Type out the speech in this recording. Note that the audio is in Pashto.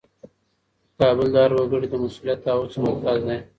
کابل د هر وګړي د مسولیت او هڅو مرکز دی.